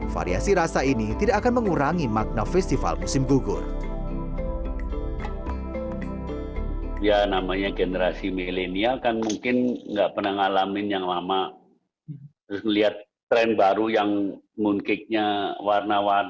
variasi rasa ini tidak akan mengurangi makna festival musim gugur